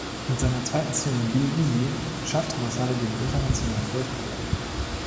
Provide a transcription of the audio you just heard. Mit seiner zweiten Single "Be Easy" schaffte Massari den internationalen Durchbruch.